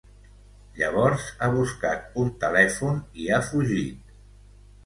Llavors ha buscat un telèfon i ha fugit.